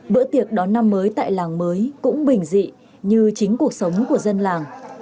bữa tiệc đón năm mới tại làng mới cũng bình dị như chính cuộc sống của dân làng